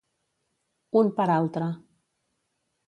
Un per altre.